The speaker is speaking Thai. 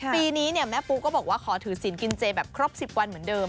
ปีนี้แม่ปูก็บอกว่าขอถือศิลปกินเจแบบครบ๑๐วันเหมือนเดิม